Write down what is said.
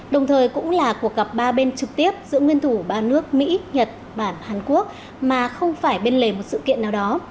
đồng thời cũng là cuộc gặp ba bên trực tiếp giữa nguyên thủ ba nước mỹ nhật bản hàn quốc mà không phải bên lề một sự kiện nào đó